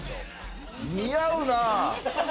似合うな。